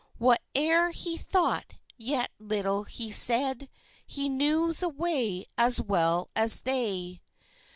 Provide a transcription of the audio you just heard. Whate'er he thought, yet little he said; He knew the way as well as they.